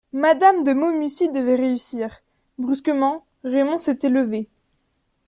Mme de Maumussy devait réussir … Brusquement, Raymond s'était levé.